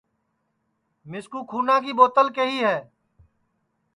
مِسکُو کُھونا کی ٻُوتل کیہی ہے